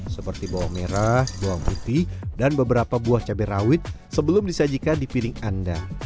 seperti bawang merah bawang putih dan beberapa buah cabai rawit sebelum disajikan di piling anda